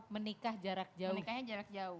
menikahnya jarak jauh